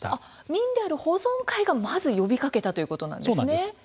民である保存会がまず呼びかけたんですね。